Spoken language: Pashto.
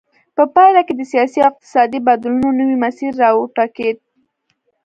په پایله کې د سیاسي او اقتصادي بدلونونو نوی مسیر را وټوکېد.